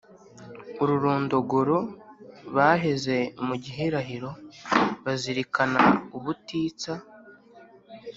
ururondogoro, baheze mu gihiraniro, bazirikana ubutitsa